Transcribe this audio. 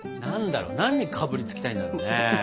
何だろ何にかぶりつきたいんだろうね。